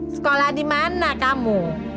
sekolah di mana kamu